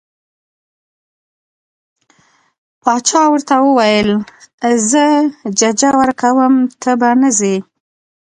باچا ورته وویل زه ججه ورکوم ته به نه ځې.